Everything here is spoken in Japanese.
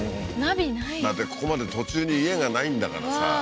だってここまで途中に家がないんだからさ